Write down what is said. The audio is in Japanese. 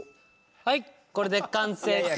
はいこれで完成です。